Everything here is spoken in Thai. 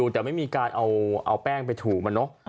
แต่ไม่มีการเอาแป้งไปถูม